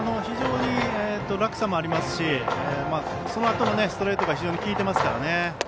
非常に落差もありますしそのあとのストレートが非常に効いていますからね。